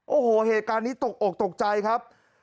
โอ้โหเหตุการณ์นี้ตกอกตกใจครับ